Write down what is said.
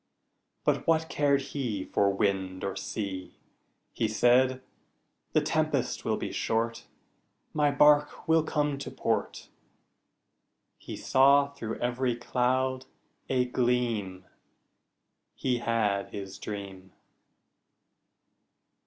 But what cared he For wind or sea! He said, "The tempest will be short, My bark will come to port." He saw through every cloud a gleam He had his dream.